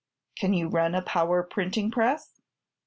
"Can you run a power printing press?"